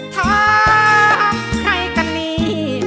ถ้าใครก็หนี